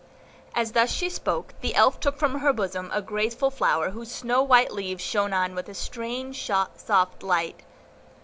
As thus she spoke, the Elf took from her bosom a graceful flower, whose snow white leaves shone with a strange, soft light.